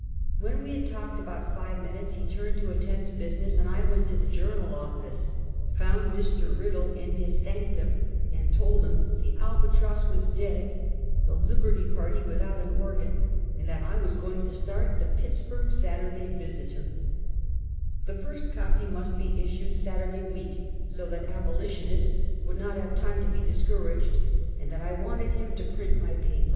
When we had talked about five minutes, he turned to attend to business and I went to the Journal office, found Mr. Kiddle in his sanctum, and told him the Alhatross was dead; the Liberty Party without an organ, and that I was going to start the Pittsburg Saturday Visiter; the first copy must be issued Sat urday week, so that abolitionists would not have time to be discouraged, and that I wanted him to print my paper.